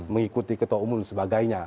mengikuti ketua umum dan sebagainya